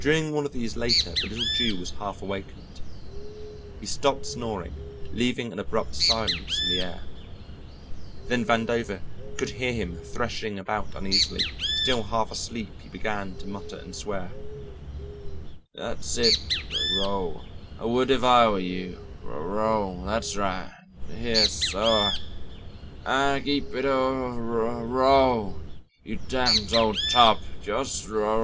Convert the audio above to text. During one of these latter the little Jew was half awakened. He stopped snoring, leaving an abrupt silence in the air. Then Vandover could hear him threshing about uneasily; still half asleep he began to mutter and swear: "Dat's it, r roll; I woult if I were you; r roll, dat's righd dhere, soh ah, geep it oop r roll, you damnt ole tub, yust r r roll."